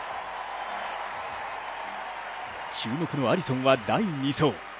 注目のアリソンは第２走。